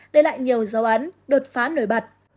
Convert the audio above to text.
để lại nhiều dấu ấn đột phá nổi bật